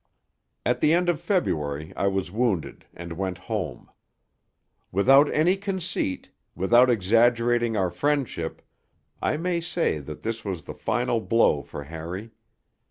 V At the end of February I was wounded and went home. Without any conceit, without exaggerating our friendship, I may say that this was the final blow for Harry.